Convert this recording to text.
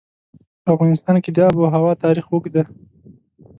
په افغانستان کې د آب وهوا تاریخ اوږد دی.